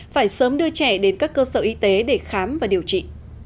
phải sớm đưa trẻ đến các cơ sở y tế để khám và điều trị